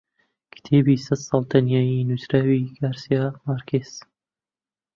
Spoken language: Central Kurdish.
کتێبی سەد ساڵ تەنیایی نووسراوی گارسیا مارکێز